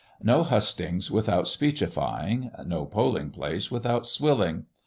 No hustings without speechifying no polling place without swilling.